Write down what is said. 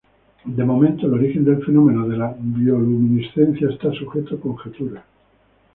De momento, el origen del fenómeno de la bioluminiscencia está sujeto a conjeturas.